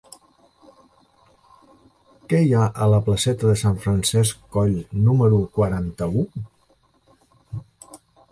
Què hi ha a la placeta de Sant Francesc Coll número quaranta-u?